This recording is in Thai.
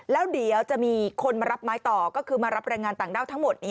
แล้วเดี๋ยวจะมีคนมารับไม้ต่อก็คือมารับแรงงานต่างด้าวทั้งหมด